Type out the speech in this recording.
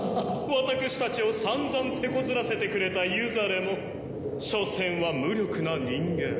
私たちをさんざんてこずらせてくれたユザレも所詮は無力な人間。